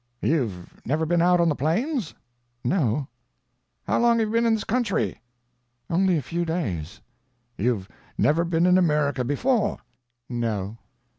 "You've never been out on the plains?" "No." "How long have you been in this country?" "Only a few days." "You've never been in America before?" "No."